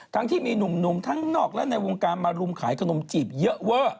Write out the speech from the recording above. ที่มีหนุ่มทั้งนอกและในวงการมารุมขายขนมจีบเยอะเวอร์